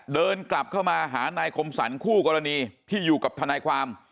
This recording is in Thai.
เดินกลับเข้ามาหานายคมสรรคู่กรณีที่อยู่กับทนายความ